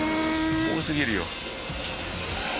多すぎるよ。